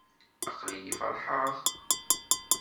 Aql-i feṛḥeɣ.